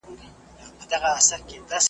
څنګه دا کور او دا جومات او دا قلا سمېږي .